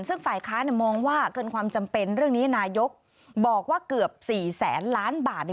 ซึ่งฝ่ายค้านมองว่าเกินความจำเป็นเรื่องนี้นายกบอกว่าเกือบ๔แสนล้านบาท